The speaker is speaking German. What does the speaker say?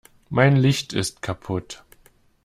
Mein Licht ist kaputt.